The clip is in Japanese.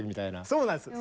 そうなんです。